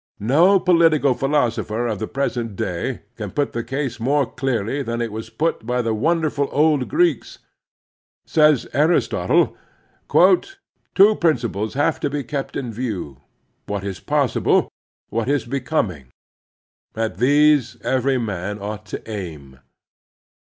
No political philosopher of the present day can put the case more clearly than it was put by the wonderful old Greeks. Says Aristotle: "Two principles have to be kept in view: what is possible, what is becoming; at these every man ought to aim."